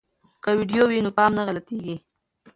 که ویډیو وي نو پام نه غلطیږي.